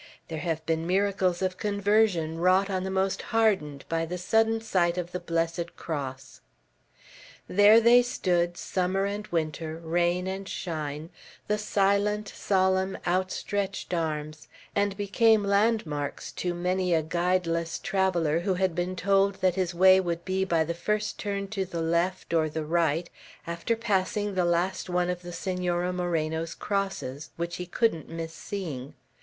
There have been miracles of conversion wrought on the most hardened by a sudden sight of the Blessed Cross." There they stood, summer and winter, rain and shine, the silent, solemn, outstretched arms, and became landmarks to many a guideless traveller who had been told that his way would be by the first turn to the left or the right, after passing the last one of the Senora Moreno's crosses, which he couldn't miss seeing.